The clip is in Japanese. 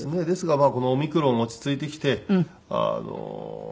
ですがまあこのオミクロン落ち着いてきてあの。